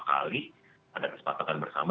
kali pada kesepakatan bersama